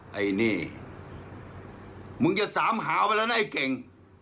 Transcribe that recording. ไอ้นี่มึงจะสามหาไว้แล้วนะไอ้เก่ง